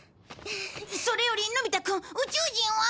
それよりのび太くん宇宙人は？